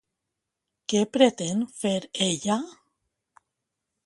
Què pretén fer ella?